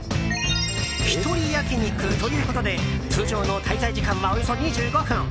１人焼き肉ということで通常の滞在時間はおよそ２５分。